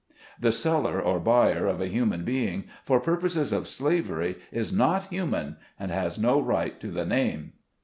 The seller or buyer of a human being, for purposes of slavery, is not human, and has no right to the name.